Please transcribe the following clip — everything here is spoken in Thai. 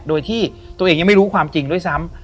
โดยที่ตัวเองยังไม่รู้ความจริงด้วยซ้ำ